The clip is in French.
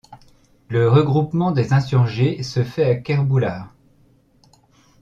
Le regroupement des insurgés se fait à Kerboulard.